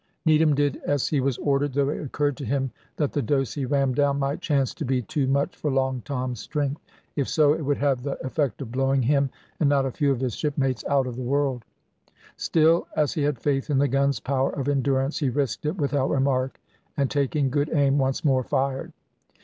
Needham did as he was ordered, though it occurred to him that the dose he rammed down might chance to be too much for Long Tom's strength; if so it would have the effect of blowing him and not a few of his shipmates out of the world; still, as he had faith in the gun's power of endurance, he risked it without remark, and taking good aim once more fired.